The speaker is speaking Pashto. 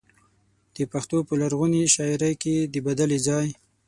د پښتو په لرغونې شاعرۍ کې د بدلې ځای.